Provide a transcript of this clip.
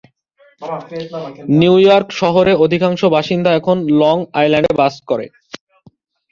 New York অধিকাংশ বাসিন্দা এখন লং আইল্যান্ডে বাস করে।